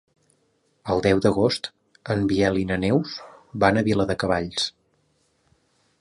El deu d'agost en Biel i na Neus van a Viladecavalls.